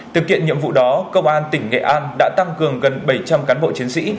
thực hiện nhiệm vụ đó công an tỉnh nghệ an đã tăng cường gần bảy trăm linh cán bộ chiến sĩ